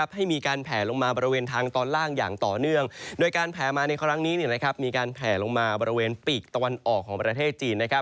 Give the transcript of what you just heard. ให้มีการแผลลงมาบริเวณทางตอนล่างอย่างต่อเนื่องโดยการแผลมาในครั้งนี้มีการแผลลงมาบริเวณปีกตะวันออกของประเทศจีน